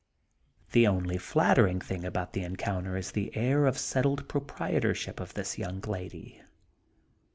The only flattering thing about the en counter is the air of settled proprietorship of this young lady.